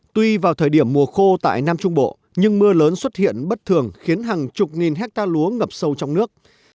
tuy vào thời điểm mùa khô tại nam trung bộ nhưng mưa lớn xuất hiện bất thường khiến hàng chục nghìn hectare lúa ngập sâu trong nước